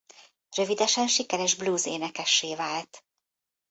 Rövidesen sikeres blues énekessé vált.